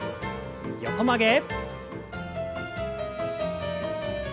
横曲げ。